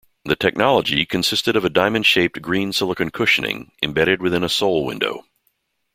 The technology consisted of diamond-shaped green silicon cushioning embedded within a sole window.